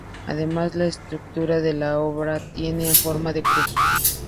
Además, la estructura de la obra tiene forma de cruz.